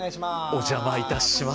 お邪魔いたします。